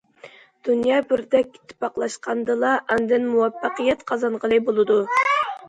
دۇنيا بىردەك ئىتتىپاقلاشقاندىلا، ئاندىن مۇۋەپپەقىيەت قازانغىلى بولىدۇ.